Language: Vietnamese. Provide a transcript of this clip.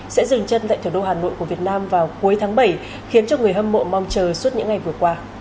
sẽ dừng chân tại thủ đô hà nội của việt nam vào cuối tháng bảy khiến cho người hâm mộ mong chờ suốt những ngày vừa qua